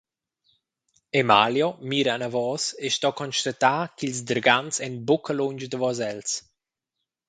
Emalio mira anavos e sto constatar ch’ils dragants ein buca lunsch davos els.